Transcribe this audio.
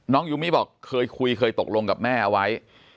น้องยูมิบอกเคยคุยเคยตกลงกับแม่ไว้